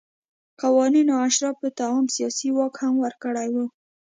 قوانینو اشرافو ته عام سیاسي واک هم ورکړی و.